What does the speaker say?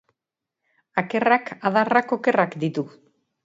Akerrak, adarrak, okerrak ditu